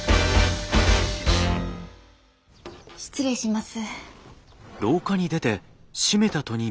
失礼します。